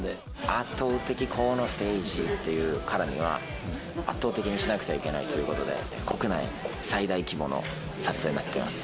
圧倒的ステージというか、圧倒的にしないといけないということで、国内最大規模の撮影になってます。